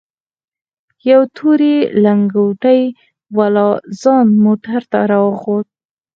يو تورې لنگوټې والا ځوان موټر ته راوخوت.